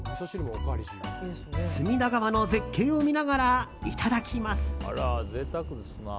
隅田川の絶景を見ながらいただきます。